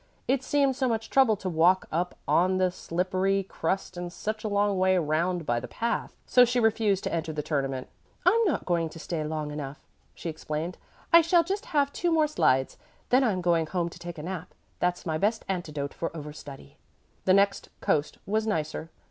It seemed so much trouble to walk up on the slippery crust and such a long way round by the path. So she refused to enter the tournament. "I'm not going to stay long enough," she explained. "I shall just have two more slides. Then I'm going home to take a nap. That's my best antidote for overstudy." The next coast was nicer.